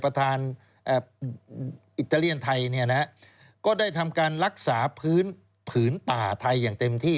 ประธานอิตาเลียนไทยก็ได้ทำการรักษาพื้นผืนป่าไทยอย่างเต็มที่